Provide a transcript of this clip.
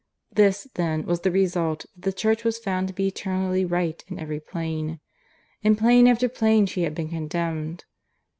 "This, then, was the result that the Church was found to be eternally right in every plane. In plane after plane she had been condemned.